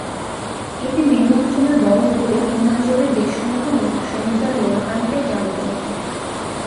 এতে মেরু অঞ্চলের বরফ গলে নিম্নাঞ্চলের দেশসমূহ সমুদ্রের লোনা পানিতে প্লাবিত হবে।